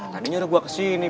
tadinya udah gue kesini